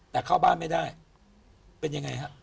แต่เข้าบ้านไม่ได้เป็นยังไงฮะ